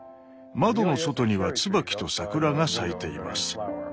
窓の外には椿と桜が咲いています。